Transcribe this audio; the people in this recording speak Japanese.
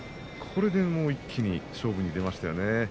これでもう一気に勝負に出ました。